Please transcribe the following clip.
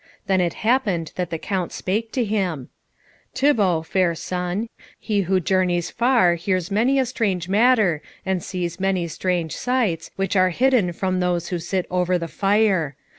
Then it happed that the Count spake to him, "Thibault, fair son, he who journeys far hears many a strange matter and sees many strange sights, which are hidden from those who sit over the fire.